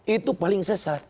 itu paling sesat